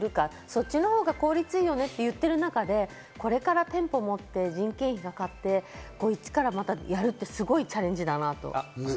そっちのほうが効率いいよねって言ってる中で、これから店舗を持って、人件費かかって、イチからやるってすごいチャレンジだなと。